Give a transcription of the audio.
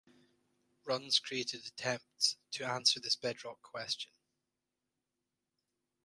Runs created attempts to answer this bedrock question.